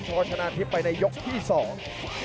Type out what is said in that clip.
โชว์ชนะที่ไปในยกที่สอง